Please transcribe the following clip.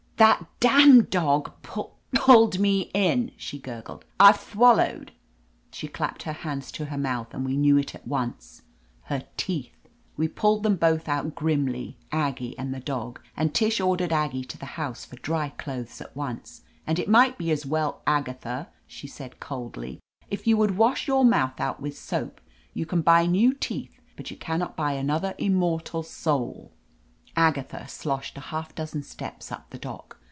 "That damned dog pulled me in!" she gur gled. "I've thwallowed —" She clapped her ■ hands to her mouth, and we knew at once. Her teeth ! We pulled them both out grimly — ^Aggie and the dog, and Tish ordered Aggie to the house for dry clothes at once. "And it might be as well, Agatha," she added coldly, "if you would wash your mouth out with soap. You can buy new teeth, but you can not buy another im mortal soul." Agatha sloshed a half dozen steps up the dock.